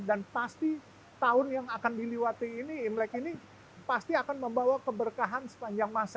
dan pasti tahun yang akan diliwati ini imlek ini pasti akan membawa keberkahan sepanjang masa